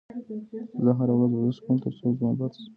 زه هره ورځ ورزش کوم تر څو ځوان پاتې شم.